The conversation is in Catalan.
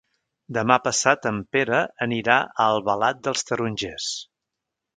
Demà passat en Pere anirà a Albalat dels Tarongers.